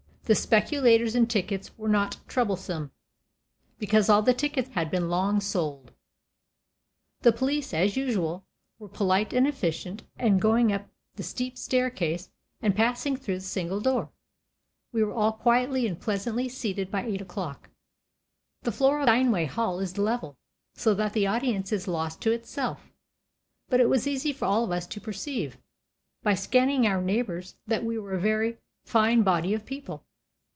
The speculators in tickets were not troublesome, because all the tickets had been long sold. The police, as usual, were polite and efficient; and going up the steep staircase, and passing through the single door, we were all quietly and pleasantly seated by eight o'clock. The floor of Steinway Hall is level, so that the audience is lost to itself; but it was easy for all of us to perceive, by scanning our neighbors, that we were a very fine body of people.